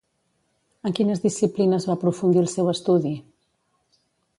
En quines disciplines va aprofundir el seu estudi?